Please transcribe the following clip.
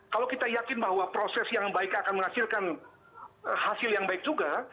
kalau kita yakin bahwa proses yang baik akan menghasilkan hasil yang baik juga